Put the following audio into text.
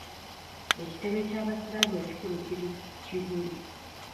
Ekitebbe ky'abasiraamu ekikulu kiri Kibuli.